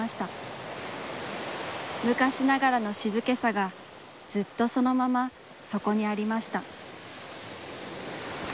むかしながらの静けさが、ずっとそのまま、そこにありました。